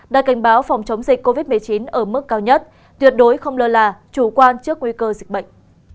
đã cảnh báo phòng chống dịch covid một mươi chín ở mức cao nhất tuyệt đối không lơ là chủ quan trước nguy cơ dịch bệnh